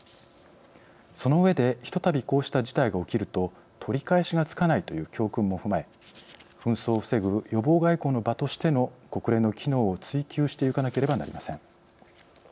その上でひとたびこうした事態が起きると取り返しがつかないという教訓も踏まえ紛争を防ぐ予防外交の場としての国連の機能を追求していかなければなりません。